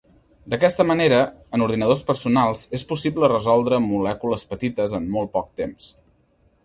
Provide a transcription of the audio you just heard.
D'aquesta manera, en ordinadors personals és possible resoldre molècules petites en molt poc temps.